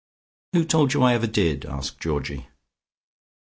"Who told you I ever did?" asked Georgie.